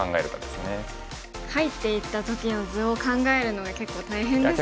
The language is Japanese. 入っていった時の図を考えるのが結構大変ですよね。